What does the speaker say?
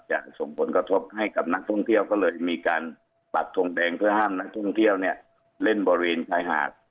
จะส่งผลกระทบให้กับนักท่องเที่ยวก็เลยมีการปักทงแดงเพื่อห้ามนักท่องเที่ยวเนี่ยเล่นบริเวณชายหาด